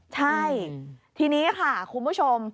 ใช่ทีนี้ค่ะคุณผู้ชม